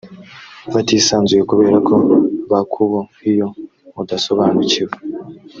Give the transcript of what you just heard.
batisanzuye kubera ko bakuboiyo udasobanukiwe